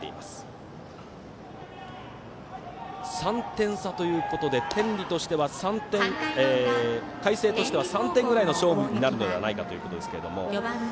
３点差ということで海星としては３点ぐらいの勝負になるのではないかということですけども。